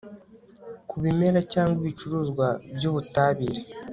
ku bimera cyangwa ibicuruzwa by ubutabire